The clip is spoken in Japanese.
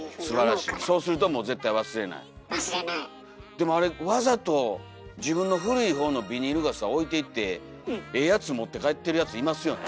でもあれわざと自分の古い方のビニール傘を置いていってええやつ持って帰ってるやついますよね。